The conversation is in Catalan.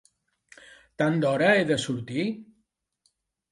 Tan d'hora he de sortir?